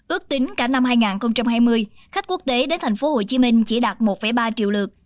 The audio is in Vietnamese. ước tính cả năm hai nghìn hai mươi khách quốc tế đến thành phố hồ chí minh chỉ đạt một ba triệu lượt